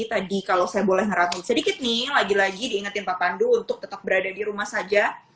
tadi kalau saya boleh ngeraton sedikit nih lagi lagi diingetin pak pandu untuk tetap berada di rumah saja